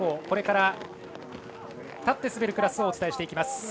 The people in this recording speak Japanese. これから立って滑るクラスをお伝えします。